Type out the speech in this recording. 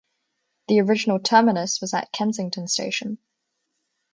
The original terminus was at Kensington station.